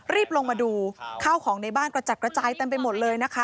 รีบลงมาดูข้าวของในบ้านกระจัดกระจายเต็มไปหมดเลยนะคะ